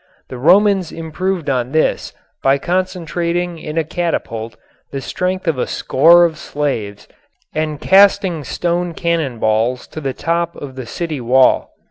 The Romans improved on this by concentrating in a catapult the strength of a score of slaves and casting stone cannon balls to the top of the city wall.